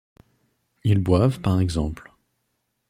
Ils boivent, par exemple.